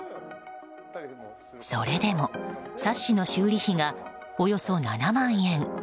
それでもサッシの修理費がおよそ７万円。